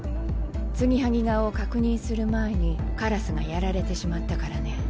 継ぎはぎ顔を確認する前にカラスがやられてしまったからね。